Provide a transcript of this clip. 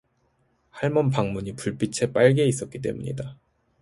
할멈 방문이 불빛에 빨개 있었기 때문이다.